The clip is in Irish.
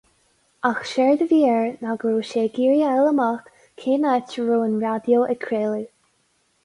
Ach séard a bhí air ná go raibh sé ag iarraidh a fháil amach cén áit a raibh an raidió ag craoladh.